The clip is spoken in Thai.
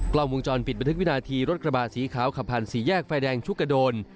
กล้องวงจรปิดบันทึกวินาทีรถกระบาดสีขาวขับผ่านสี่แยกไฟแดงชุกกระโดน